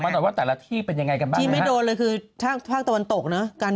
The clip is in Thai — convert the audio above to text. เดี๋ยวส่งบางรายงาน